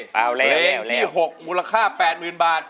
เพลงที่๖มูลค่า๘หมื่นบาท